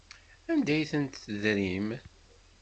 Anda ay ten-tedrim?